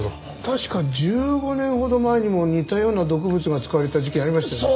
確か１５年ほど前にも似たような毒物が使われた事件ありましたよね？